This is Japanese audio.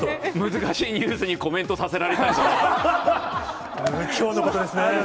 難しいニュースにコメントさきょうのことですね。